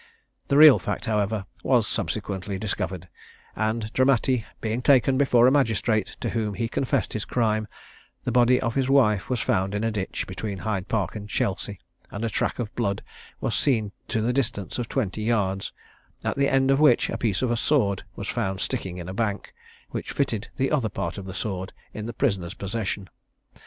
The real fact, however, was subsequently discovered; and Dramatti being taken before a magistrate, to whom he confessed his crime, the body of his wife was found in a ditch between Hyde Park and Chelsea, and a track of blood was seen to the distance of twenty yards; at the end of which a piece of a sword was found sticking in a bank, which fitted the other part of the sword in the prisoner's possession.